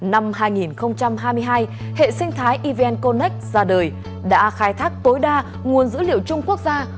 năm hai nghìn hai mươi hai hệ sinh thái evn connec ra đời đã khai thác tối đa nguồn dữ liệu chung quốc gia